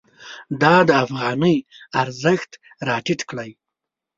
دا د افغانۍ ارزښت راټیټ کړی.